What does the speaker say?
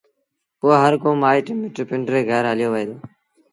پو هرڪو مآئيٽ مٽ پنڊري گھر هليو وهي دو